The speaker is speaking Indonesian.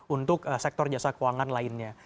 untuk sektor jasa keuangan lainnya